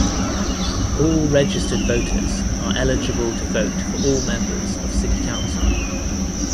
All registered voters are eligible to vote for all members of City Council.